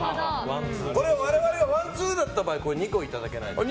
我々がワンツーだった場合２個いただけないですか？